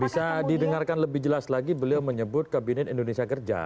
bisa didengarkan lebih jelas lagi beliau menyebut kabinet indonesia kerja